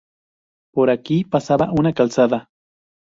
Por aquí pasaba una calzada.